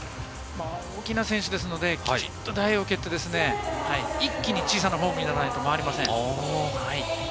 大きな選手ですので、きちんと台を蹴って、一気に小さなフォームにならないと回りません。